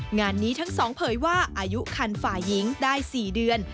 งานนี้ทั้งสองเผยว่าอายุคันฝ่ายหญิงได้๔เดือน